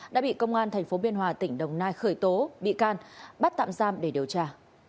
đã bị công an tp biên hòa tỉnh đồng nai khởi tố bị can bắt tạm giam để điều tra